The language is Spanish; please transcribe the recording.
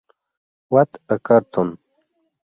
What a Cartoon!